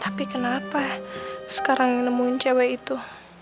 tapi kenapa sekarang nemuin cewek itu